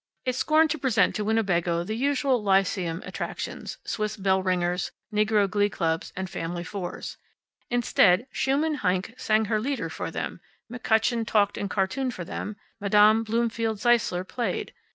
It scorned to present to Winnebago the usual lyceum attractions Swiss bell ringers, negro glee clubs, and Family Fours. Instead, Schumann Heink sang her lieder for them; McCutcheon talked and cartooned for them; Madame Bloomfield Zeisler played.